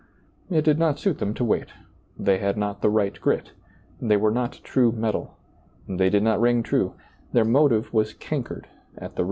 It did not suit them to wait ; they had not the right grit ; they were not true metal ; they did not ring true ; their motive was cankered at the root.